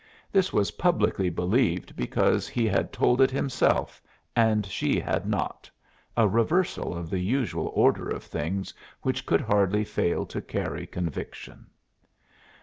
This was publicly believed because he had told it himself and she had not a reversal of the usual order of things which could hardly fail to carry conviction.